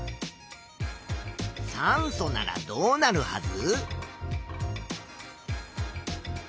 酸素ならどうなるはず？